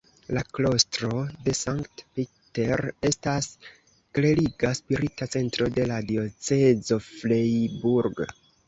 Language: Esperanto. La klostro de St. Peter estas kleriga Spirita Centro de la diocezo Freiburg.